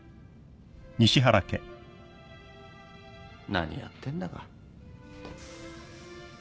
何やってんだか。